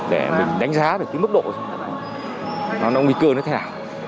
để mình đánh giá được cái mức độ nó nguy cơ nó thế nào